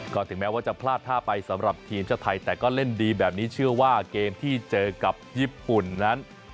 ก็ถึงแม้ว่าจะพลาดท่าไปสำหรับทีมชาติไทยแต่ก็เล่นดีแบบนี้เชื่อว่าเกมที่เจอกับญี่ปุ่นนั้น